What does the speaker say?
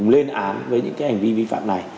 lên án với những cái hành vi vi phạm này